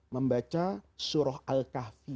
membaca surah al kahfi